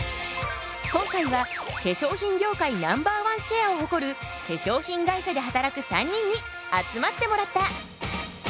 今回は化粧品業界Ｎｏ．１シェアをほこる化粧品会社で働く３人に集まってもらった。